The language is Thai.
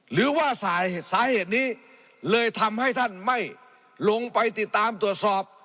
หรือว่าสาเหตุนี้เลยทำให้ท่านไม่ลงไปติดตามตรวจสอบ